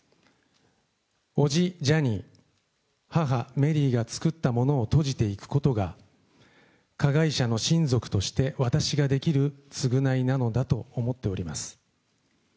おじ、ジャニー、母、メリーが作ったものを閉じていくことが、加害者の親族として私ができる償いなのだと思っております。